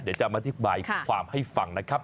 เดี๋ยวจะมาอธิบายความให้ฟังนะครับ